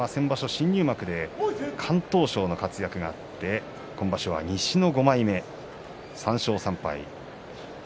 新入幕で敢闘賞の活躍があって今場所は西の５枚目、３勝３敗。